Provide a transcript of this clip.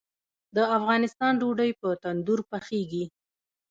د افغانستان ډوډۍ په تندور پخیږي